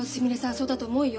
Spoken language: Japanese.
そうだと思うよ。